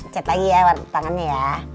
cet lagi ya tangannya ya